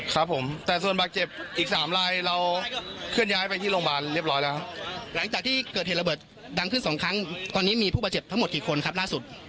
ครับผมแต่ส่วนบาดเจ็บอีกสามลายเราเคลื่อนย้ายไปที่โรงพยาบาลเรียบร้อยแล้วครับหลังจากที่เกิดเหตุระเบิดดังขึ้นสองครั้งตอนนี้มีผู้บาดเจ็บทั้งหมดกี่คนครับล่าสุด